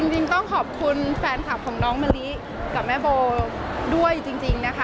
จริงต้องขอบคุณแฟนคลับของน้องมะลิกับแม่โบด้วยจริงนะคะ